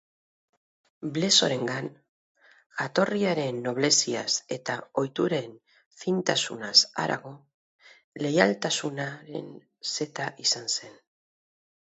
Blesorengan, jatorriaren nobleziaz eta ohituren fintasunaz harago, leialtasunaren seta izan zen.